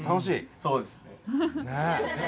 そうですね。